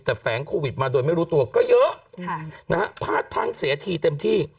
แต่แฝงโควิดมาโดยไม่รู้ตัวก็เยอะนะฮะพลาดพังเสียทีเต็มที่